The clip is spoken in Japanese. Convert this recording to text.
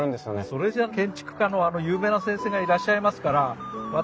それじゃあ建築家のあの有名な先生がいらっしゃいますから私